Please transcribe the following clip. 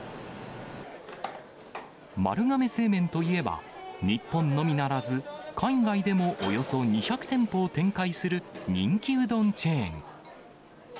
丸亀製麺といえば、日本のみならず、海外でも、およそ２００店舗を展開する人気うどんチェーン。